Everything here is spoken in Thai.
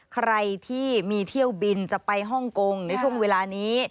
ใครที่มีเที่ยวบินจะไปฮ่องกงในช่วงเวลานี้